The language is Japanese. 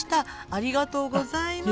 ありがとうございます。